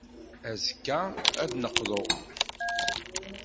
Azekka, ad d-neqḍu.